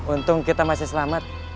untung kita masih selamat